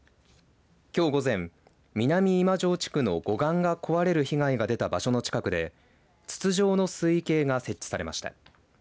きょう午前、南今庄地区の護岸が壊れる被害が出た場所の近くで筒状の水位計が設置されました。